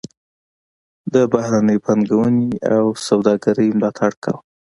د بهرنۍ پانګونې او سوداګرۍ ملاتړ کاوه.